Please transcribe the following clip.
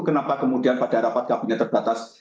kenapa kemudian pada rapat kabinet terbatas